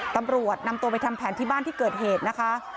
ตำรวจนำตัวไปทำแผนที่บ้านที่เกิดเหตุนะคะ